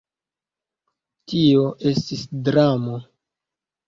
Tio estis dramo.